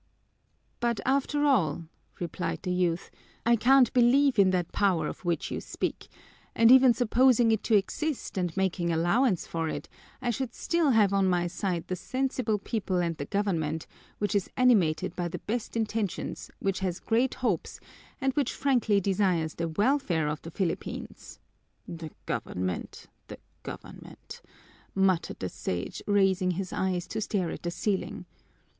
"But, after all," replied the youth, "I can't believe in that power of which you speak, and even supposing it to exist and making allowance for it, I should still have on my side the sensible people and the government, which is animated by the best intentions, which has great hopes, and which frankly desires the welfare of the Philippines." "The government! The government!" muttered the Sage, raising his eyes to stare at the ceiling.